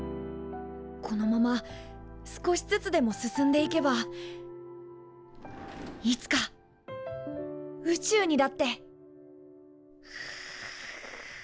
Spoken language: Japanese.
このまま少しずつでも進んでいけばいつか宇宙にだって。